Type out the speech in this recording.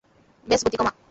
ব্যস গতি কমা!